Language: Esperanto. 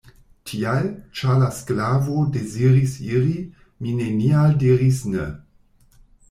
Tial, ĉar la sklavo deziris iri, mi nenial diris ne.